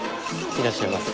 いらっしゃいませ。